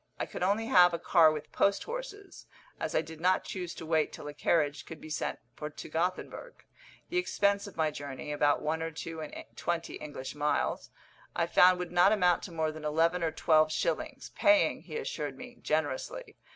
I could only have a car with post horses, as I did not choose to wait till a carriage could be sent for to Gothenburg. The expense of my journey (about one or two and twenty English miles) I found would not amount to more than eleven or twelve shillings, paying, he assured me, generously.